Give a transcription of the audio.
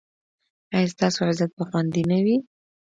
ایا ستاسو عزت به خوندي نه وي؟